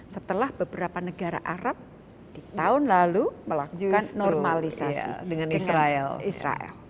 setelah beberapa negara arab di tahun lalu melakukan normalisasi dengan israel